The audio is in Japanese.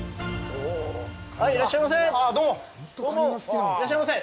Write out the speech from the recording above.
はい、いらっしゃいませ。